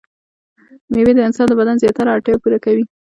مېوې د انسان د بدن زياتره اړتياوې پوره کوي.